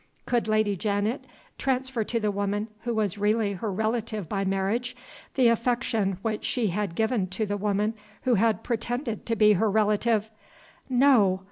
Could Lady Janet transfer to the woman who was really her relative by marriage the affection which she had given to the woman who had pretended to be her relative? No!